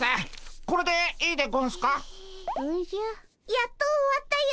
やっと終わったよ。